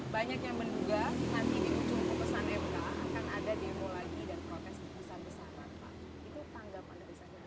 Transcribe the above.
banyak yang menduga nanti di ujung kepesan mk akan ada demo lagi dan protes di pesan besar pak